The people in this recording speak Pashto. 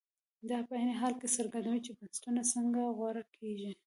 دا په عین حال کې څرګندوي چې بنسټونه څنګه غوره کېږي.